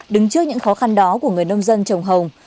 đứng trước những khó khăn đó của người nông dân trồng hồng